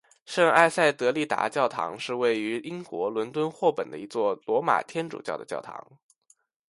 圣埃塞德丽达教堂是位于英国伦敦霍本的一座罗马天主教的教堂。